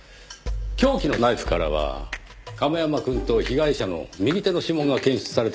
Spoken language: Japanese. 凶器のナイフからは亀山くんと被害者の右手の指紋が検出されたんでしたねぇ？